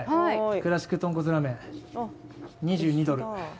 クラシック豚骨ラーメン２２ドル、１杯２２ドル。